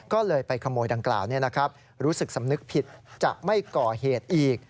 ก็เลยไปขโมยดังกล่าวรู้สึกสำนึกผิดจะไม่ก่อเหตุอีก